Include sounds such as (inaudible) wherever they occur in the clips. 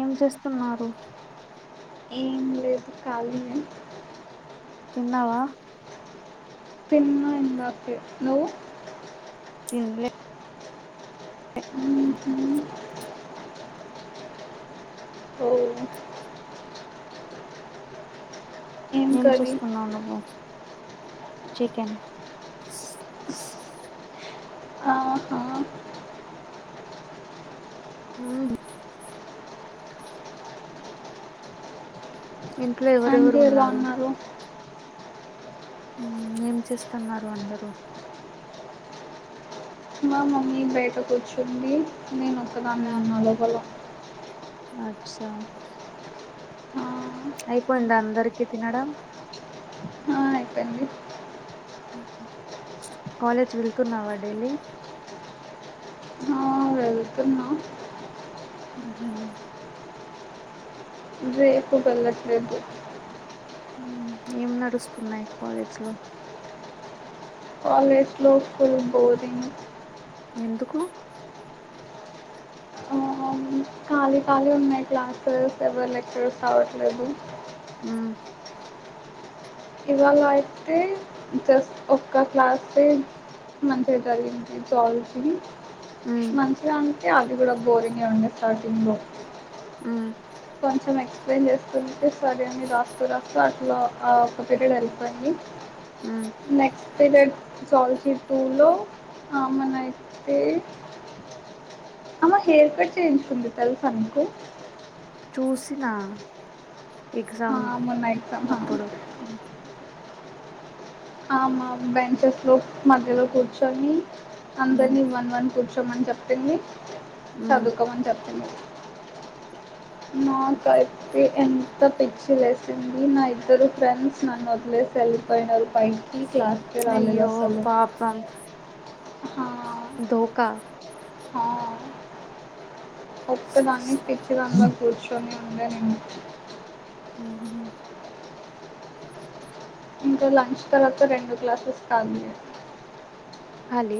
ఏం చేస్తున్నారు ఏం లేదు కాలినే తిన్నావా తిన్న ఇందకే నువ్వు తింలే మ్ హు అవునా ఏం చేస్తున్నావ్ నువ్వు చికెన్ ఆహా ఉహు ఇంట్లో ఆంటీ ఎవరెవరు ఎలా ఉన్నారు. ఉ ఏం చేస్తున్నారు అందరూ మా మమ్మీ బయట కూర్చుంది నేను ఒక్కదాన్నే మ్మ్ ఉన్నా లోపల అచ్చా ఆ, అయిపోయిందా అందరికీ తినడం ఆ, అయిపోయింది కాలేజీ వెళ్తున్నావా డైలీ వెళ్తున్న ఉహు రేపు వెళ్లట్లేదు ఉ ఏం నడుస్తున్నాయి కాలేజ్ లో కాలేజ్ లో ఫుల్ బోరింగ్ ఎందుకు ఖాళీ ఖాళీ ఉన్నాయి క్లాసెస్ ఎవ్వరు లెక్చరర్స్ రావట్లేదు ఉ ఇవ్వాళ అయితే జస్ట్ ఒక క్లాసే మంచిగా చదివించి జాబ్ ఇచ్చి మ్మ్ మంచిగా అంటే అది కూడా బోరింగే ఉండే స్టార్టింగ్ లో ఊ కొంచెం ఎక్స్ప్లెయిన్ చేస్తుంటే సౌజన్య రాస్తూ రాస్తూ అట్లా ఆ ఒక పీరియడ్ వెళ్లిపోయింది మ్మ్ నెక్స్ట్ పీరియడ్ సాల్చి టు లో ఆమెను అయితే ఆమె హెయిర్ కట్ చేయించుకుంది తెలుసా నీకు చూసినా ఆ, ఎగ్జామ్ మొన్న ఎగ్జామ్ అప్పుడు ఆమా బెంచెస్లో మధ్యలో కూర్చొని మ్మ్ అందరినీ వన్ వన్ కూర్చొ మని చెప్పింది మ్మ్ చదువుకోమని చెప్పింది మాకైతే ఎంత పిచ్చిలేసింది నా ఇద్దరు ఫ్రెండ్స్ నన్నువదిలేసి వెళ్ళిపోయినారు పైకి క్లాస్కే రాలేదు అసలు దోకా హ ఒక్కదాన్నే పిచ్చి దానిలా కూర్చొని ఉండే నేను ఉ ఇంకా లంచ్ తర్వాత రెండు గ్లాసెస్ తాగి అల్డి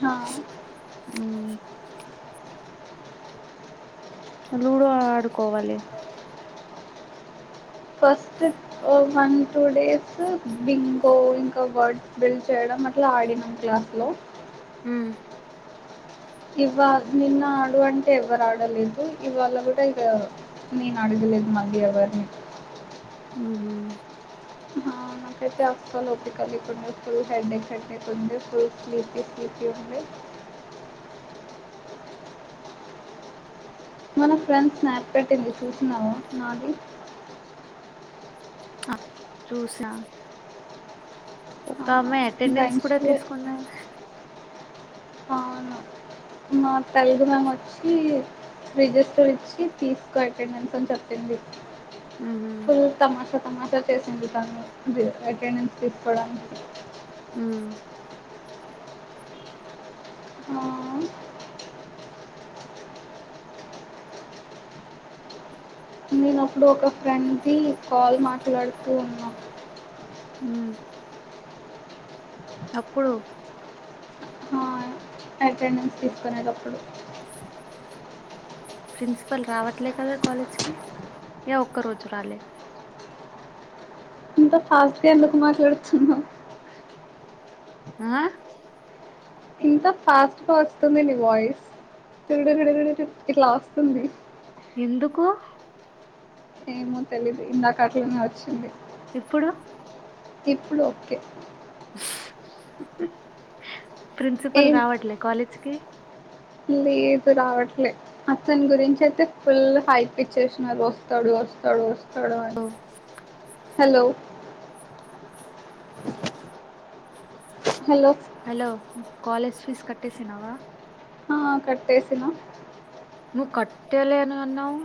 హ లూడో ఆడుకోవాలి first one two days bingo ఇంకా వర్డ్ బిల్డ్ చేయడం అట్లా ఆడినం క్లాస్ లో ఉమ్ ఇవా నిన్న ఆడు అంటే ఎవరు ఆడలేదు ఇవాళ కూడా ఇక నేను ఆడు దు మళ్లీ ఎవరిని ఉహు ఆ, నాకైతే అసలు ఓపిక లేకుండా ఫుల్ హెడేక్ హెడేక్ ఉంది ఫుల్ స్లీపీ స్లీపీ ఉంది (inaudible) మన ఫ్రెండ్స్ స్నాప్ పెట్టింది చూసినావా నాది ఆ చూసా ఒక ఆమె అటెండెన్స్ కూడా బెంచ్లో తీసుకునే అవును మా తెలుగు మేం వచ్చి రిజిస్టర్ ఇచ్చి తీసుకో అటెండెన్స్ అని చెప్పింది ఉహు ఫుల్ తమాషా సమాసా చేసింది తను వెక నుస్ తీసుకోవడానికి ఆ ఆ నేనప్పుడు ఒక ఫ్రెండ్ కి కాల్ మాట్లాడుతూ ఉన్నా ఉ అప్పుడు అటెండెన్స్ తీసుకునేటప్పుడు ప్రిన్సిపల్ రావట్లే కదా కాలేజ్కి ఇక ఒక్క రోజు రాలే ఇంత ఫాస్ట్గా ఎందుకు మాట్లాడుతున్నా ఆ ఇంత ఫాస్ట్గా వస్తుంది నీ వాయిస్ తడ విడడ ఇట్లా వస్తుంది ఎందుకు ఏమో తెలీదు ఇందాక అట్లనే వచ్చింది ఇప్పుడు ఇప్పుడు ఓకే ప్రిన్సిపల్ ఏం రావట్లే కాలేజ్కి లేదు రావట్లే అతని గురించి అయితే ఫుల్ హైప్ ఇచ్చేసినారు వస్తాడు వస్తడు తస్తనిఒస్తది అని hello hello hello college fees కట్టేసినవా ఆ కట్టేసిన నువ్వు కట్టేలేని అన్నావు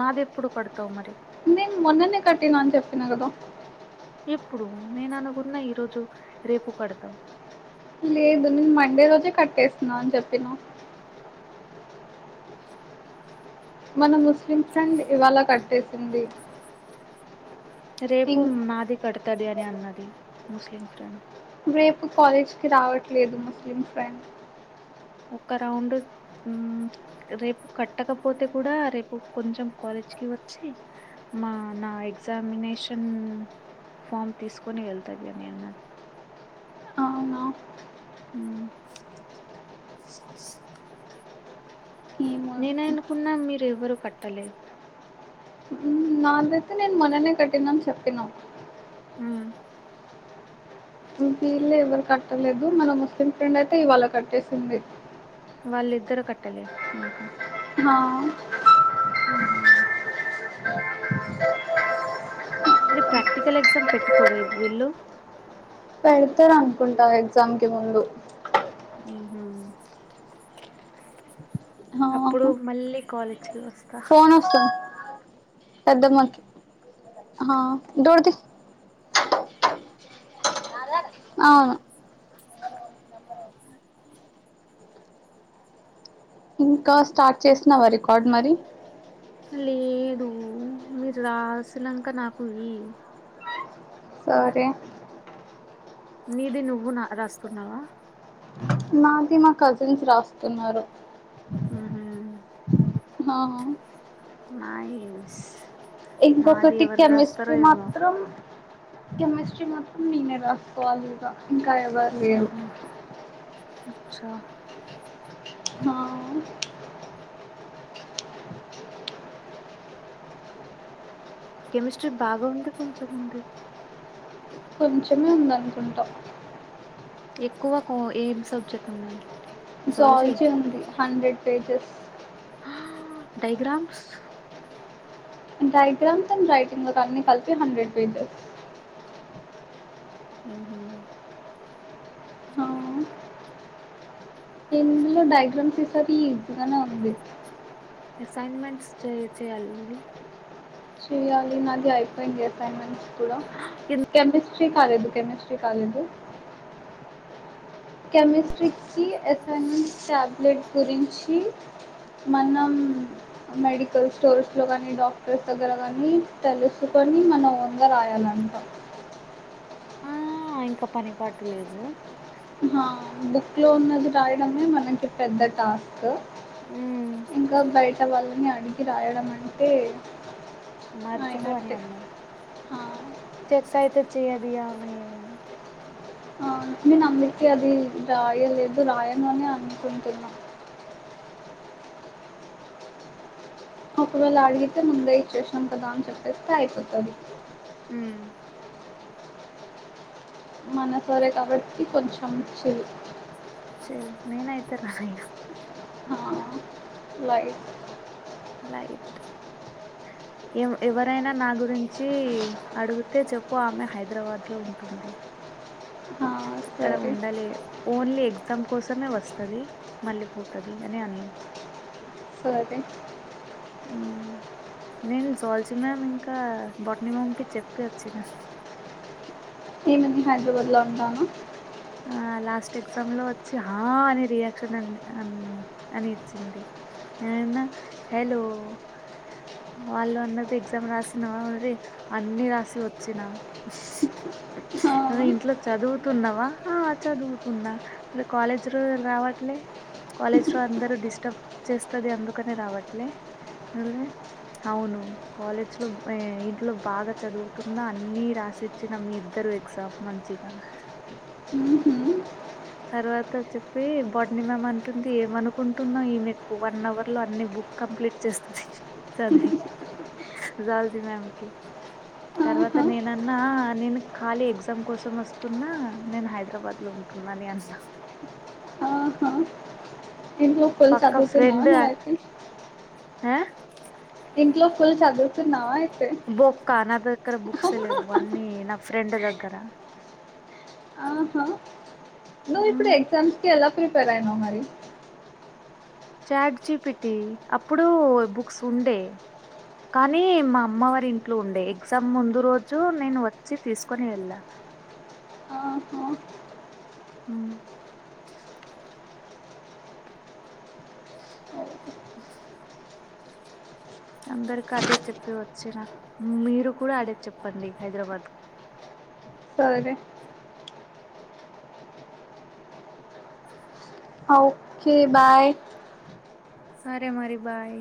నాది ఎప్పుడు కడతావు మరి నేను మొన్ననే కట్టినా అని చెప్పిన కదా ఎప్పుడు నేను అనుకున్న ఈరోజు రేపు కడతాం లేదు నేను మండే రోజే కట్టేస్తున్నా అని చెప్పిన (unintelligible) మన ముస్లిం ఫ్రెండ్ ఇవాళ కట్టేసింది రేపు ఇంకా నాది కడుతది అని అన్నది ముస్లిం ఫ్రెండ్ రేపు కాలేజ్కి రావట్లేదు ముస్లిం ఫ్రెండ్ ఒక రౌండ్ రేపు కట్టకపోతే కూడా రేపు కొంచెం క్వాలిటీ వచ్చి మా నా ఎగ్జామినేషన్ ఫామ్ తీసుకుని వెళ్తాంది అని అన్నారు అవునా (unintelligible) ఏమో నేననుకున్నా మీరు ఎవరు కట్టలేదు నాదైతే నేను మొననే కట్టిందని చెప్పినా మ్ వీళ్ళ ఎవరు కట్టలేదు మన ముస్లిం ఫ్రెండ్ అయితే ఇవాళ కట్టేసింది వాళ్ళిద్దరు కట్టలేరు ఇంకా న హ (inaudible) అది ప్రాక్టికల్ ఎగ్జామ్ పెట్టుకోరే వీళ్ళు పెడతారు అనుకుంటా ఎగ్జామ్ కి ముందు ఉ హా, అప్పుడు మళ్ళీ కాలేజ్కి వస్తా ఫోన్ వస్తా పెద్దమ్మ హా డోర్ ది అ ఇంకా స్టార్ట్ చేసినవా రికార్డ్ మరి లేదు మీరు రాసినక నాకు ఇ సోరే నీది నువ్వు రాస్తున్నావా నాది మా కజిన్స్ రాస్తున్నారు ఆహా ఆ నైస్ నాది ఇంకొకటి ఎవరు రాస్తారో కెమిస్ట్రీ ఏమో మాత్రం కెమిస్ట్రీ మాత్రం నేనే రాసుకోవాలిగా ఇంకా ఎవరు లేరు ఉహు అచ్చా ఆ కెమిస్ట్రీ బాగా ఉంది కొంచెంముంది కొంచెమే ఉందనుకుంటా ఎక్కువ కో ఏం సబ్జెక్ట్ ఉన్నాయి జువాలజీ జూవాలాజీ ఉంది hundred pages diagrams diagrams and writing లో అన్ని కలిపి హండ్రెడ్ పేజెస్ ఆ ఎందులో డైగ్రామ్స్ సారి ఈజీగనే అంది అసైన్మెంట్స్ చేయి చేయాలాంటి చెయాలి నాది అయిపోయింది అసైన్మెంట్స్ కూడా ఎన్ కెమిస్ట్ కాలీదు కమిస్ట్రీ కాలీదు కెమిస్ట్రీకి అసైన్ంస్ టాబ్లెట్ గురించి మనం మెడికల్ స్టోర్స్ లో గాని డాక్టర్స్ దగ్గర గాని తెలుసుకొని కొని మన ఓన్ గా రాయాలంటా ఆ ఇంకా పనిపాటు లేదు బుక్ లో ఉన్నది రాయడమే మనకి పెద్ద టాస్క్ ఉమ్ ఇంకా బయట వాళ్ళని అడిగి రాయడం అంటే మరిచపోవనీ అయినట్టే అన్న చెక్స్యితే ఇడియా మే ఆ నేను అందుకే అది రాయలేదు రాయను అని అనుకుంటున్నా అపుడు వాళ్ళు అడిగితే ముందే ఇచ్చేసినం కదా అని చెప్పేస్తే అయిపోతుది అ మన సరే కాబట్టి కొంచెం చిల్ నేనయితే రాయను లైట్ లైట్ ఎ ఎవరైనా నా గురించి అడిగితే చెప్పు ఆమె హైదరాబాద్లో ఉంటుంది ఇక్కడ సరే ఉండలే ఓన్లీ ఎ తం కోసమే వస్తుంది మళ్ళీ పోతది అని అన్నాం సరే అ నేను సోల్చి మ్యామ్ ఇంకా బట్ని మామ్కి చెప్పి వచ్చిన ఏం అని హైదరాబాద్ లో ఉంటాను అన ఆ లాస్ట్ ఎగ్జామ్ లో వచ్చి ఆ అని రియాక్షన్ అ అని ఇచ్చింది అన్న హలో వాళ్ళు అన్నది ఎగ్జామ్ రాసినవా మరి అన్ని రాసి వచ్చినా ఆ, ను ఇంట్లో చదువుతున్నావా ఆ చదువుతున్నా అ కాలేజీ రోజులు రావట్లే కాలేజ్ లో అందరు డిస్టర్బ్ చేస్తుది అందుకనే రావట్లే అవును కాలేజ్ లో ఇంట్లో బాగా చదువుతున్నా అన్ని రాసిచ్చిన మీ ఇద్దరు ఎస మంచిగా మ్హూ, తర్వాత చెప్పి బోడ్నిమామ్ అంటుంది ఏమనుకుంటున్నా ఈమెకు వన్ అవర్ లో అన్ని బు కంప్లీట్ చేస్తుంది చది జూయాలాజీ మ్యామ్ క ఆహా, తర్వాత నేనన్నా నేను ఖాళీ ఎగ్జామ్ కోసం వస్తున్నా నేను హైదరాబాద్ లో ఉంటున్నా బనియన్ సాక్స్ ఆహా. ఫుల్ చదువుతున్నావా ఫ్రెండ్ నువ్వైతే ఆ ఇంట్లో ఫుల్ చదువుతున్నావా అయితే బొక్క నా దగ్గర బుక్స్ లేవు అన్నీ నా ఫ్రెండ్ దగ్గర ఆహా నువ్వు ఇప్పుడు ఎగ్జామ్స్ కి ఎలా ప్రిపేర్ అయనవ్ మరి చాట్జీపిటి అప్పుడు బుక్స్ ఉండే కానీ మా అమ్మవారి ఇంట్లో ఉండే ఎగ్జామ్ ముందు రోజు నేను వచ్చి తీసుకొని వెళ్ళా ఆహా మ్ అందరికి అదే చెప్పి వచ్చిర మీరు కూడా అదే చెప్పండి హైదరాబాద్ సరే ఓకే బాయ్ సారే మరి బాయ్